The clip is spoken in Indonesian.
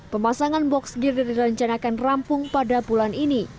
pemasangan box diri dilancarkan rampung pada bulan ini